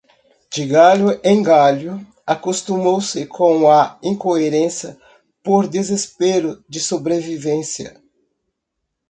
De galho em galho, acostumou-se com a incoerência por desespero de sobrevivência